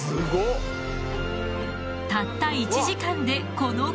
たった１時間でこの効果。